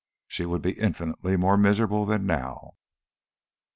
She would be infinitely more miserable than now.